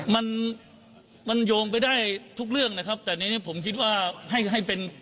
มันมันโยงไปได้ทุกเรื่องนะครับแต่ในนี้ผมคิดว่าให้ให้เป็น